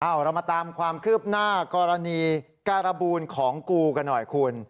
เรามาตามความคืบหน้ากรณีการบูลของกูกันหน่อยคุณ